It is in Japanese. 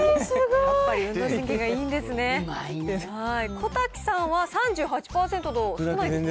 小瀧さんは３８％と少ないですね。